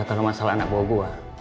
ya kalau masalah anak buah gue